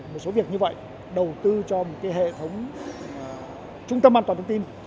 một số việc như vậy đầu tư cho một cái hệ thống trung tâm an toàn thông tin